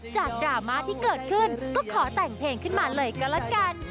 ดราม่าที่เกิดขึ้นก็ขอแต่งเพลงขึ้นมาเลยก็แล้วกัน